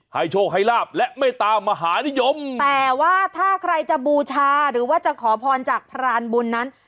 โชคให้ลาบและเมตามหานิยมแต่ว่าถ้าใครจะบูชาหรือว่าจะขอพรจากพรานบุญนั้น